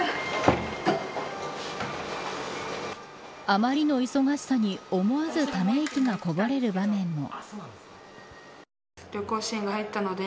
あまりの忙しさに思わずため息がこぼれる場面も。